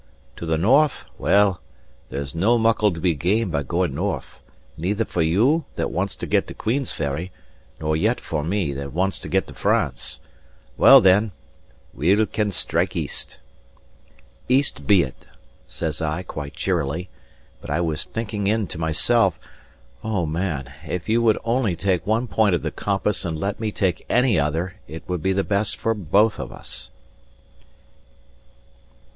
To the north; well, there's no muckle to be gained by going north; neither for you, that wants to get to Queensferry, nor yet for me, that wants to get to France. Well, then, we'll can strike east." "East be it!" says I, quite cheerily; but I was thinking in to myself: "O, man, if you would only take one point of the compass and let me take any other, it would be the best for both of us."